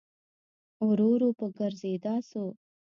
ورو ورو په ګرځېدا سو.